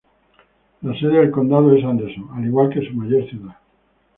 La sede del condado es Anderson, al igual que su mayor ciudad.